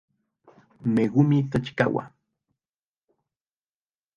Megumi Tachikawa